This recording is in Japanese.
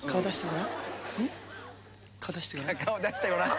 「顔出してごらん。